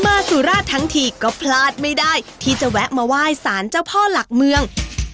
สุราชทั้งทีก็พลาดไม่ได้ที่จะแวะมาไหว้สารเจ้าพ่อหลักเมือง